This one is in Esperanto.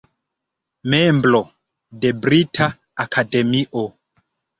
Membro de Brita Akademio.